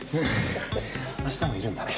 明日もいるんだね。